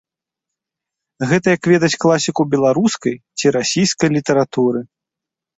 Гэта як ведаць класіку беларускай ці расійскай літаратуры.